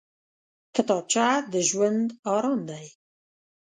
کتابچه د ژوند ارام دی